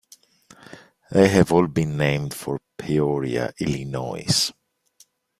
They have all been named for Peoria, Illinois.